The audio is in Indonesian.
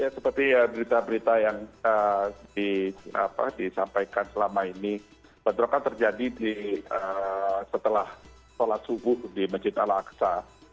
seperti berita berita yang disampaikan selama ini bentrokan terjadi setelah sholat subuh di masjid al aqsa